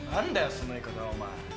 その言い方はお前。